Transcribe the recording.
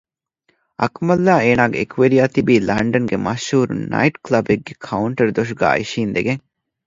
އަކުމަލްއާއި އޭނާގެ އެކުވެރިޔާ ތިބީ ލަންޑަންގެ މަޝްހޫރު ނައިޓު ކުލަބެއްގެ ކައުންޓަރު ދޮށުގައި އިށީނދެގެން